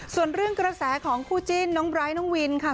ส่วนเรื่องกระแสของคู่จิ้นน้องไบร์ทน้องวินค่ะ